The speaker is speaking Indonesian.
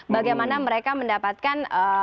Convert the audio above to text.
bagaimana mereka mendapatkan